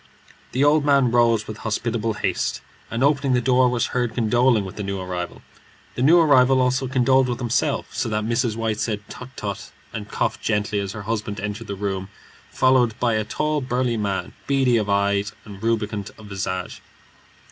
The old man rose with hospitable haste, and opening the door, was heard condoling with the new arrival. The new arrival also condoled with himself, so that Mrs. White said, "Tut, tut!" and coughed gently as her husband entered the room, followed by a tall, burly man, beady of eye and rubicund of visage.